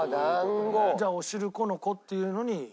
じゃあおしるこの「こ」っていうのに。